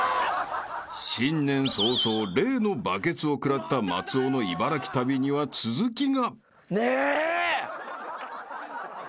［新年早々例のバケツを食らった松尾の茨城旅には続きが］